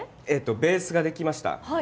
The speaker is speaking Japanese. ベースができました。